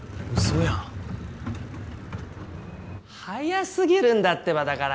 現在早すぎるんだってばだから。